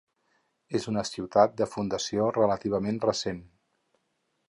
És una ciutat de fundació relativament recent.